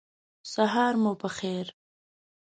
سهار مو په خیر !